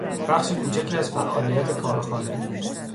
بخش کوچکی از فعالیت کارخانه